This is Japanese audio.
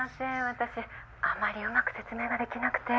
私あまりうまく説明ができなくて。